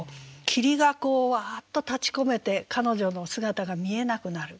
霧がこううわっと立ちこめて彼女の姿が見えなくなる。